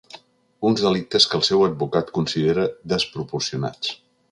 Uns delictes que el seu advocat considera desproporcionats.